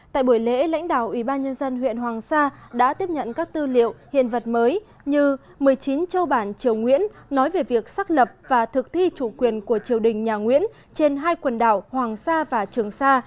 tại buổi lễ lãnh đạo ubnd huyện hoàng sa đã tiếp nhận các tư liệu hiện vật mới như một mươi chín châu bản triều nguyễn nói về việc xác lập và thực thi chủ quyền của triều đình nhà nguyễn trên hai quần đảo hoàng sa và trường sa